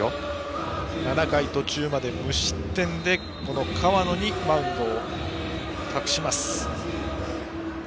７回途中まで無失点で河野にマウンドを託します。